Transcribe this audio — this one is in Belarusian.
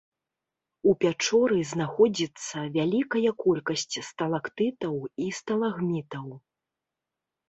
У пячоры знаходзіцца вялікая колькасць сталактытаў і сталагмітаў.